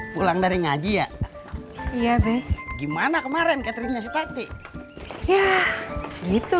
pulang dari ngaji ya iya deh gimana kemarin kateringnya si tapi ya gitu